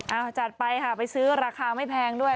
เอาจัดไปค่ะไปซื้อราคาไม่แพงด้วย